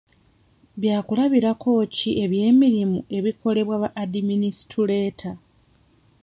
Byakulabirako ki eby'emirimu ebikolebwa adiminisituleeta.